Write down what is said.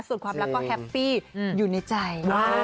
ส่วนความรักก็แฮปปี้อยู่ในใจ